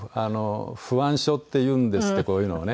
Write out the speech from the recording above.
不安症っていうんですってこういうのをね。